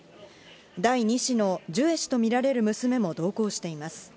第２子のジュエ氏とみられる娘も同行しています。